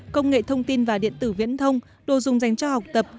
công nghệ thông tin và điện tử viễn thông đồ dùng dành cho học tập